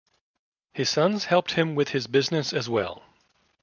His sons helped him with his business as well.